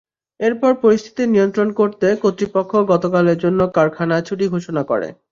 এরপর পরিস্থিতি নিয়ন্ত্রণ করতে কর্তৃপক্ষ গতকালের জন্য কারখানা ছুটি ঘোষণা করে।